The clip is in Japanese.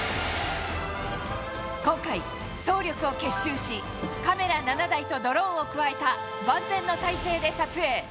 今回、総力を結集し、カメラ７台とドローンを加えた万全の体制で撮影。